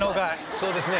そうですよね。